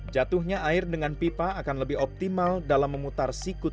jatuhnya air dengan pipa akan lebih optimal dalam memutar sikut